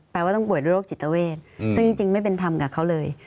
ว่าต้องป่วยด้วยโรคจิตเวทซึ่งจริงไม่เป็นธรรมกับเขาเลย